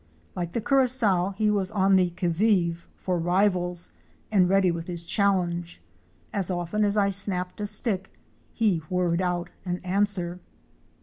Like the Curassow, he was on the qui vive for rivals and ready with his challenge. As often as I snapped a stick, he whirred out an answer.